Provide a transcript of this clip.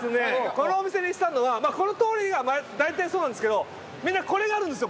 このお店にしたのはこの通りが大体そうなんですけどみんなこれがあるんですよ